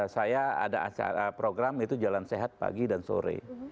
saya ada acara program itu jalan sehat pagi dan sore